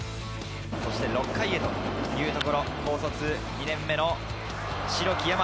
そして６回へというところ、高卒２年目の代木大和。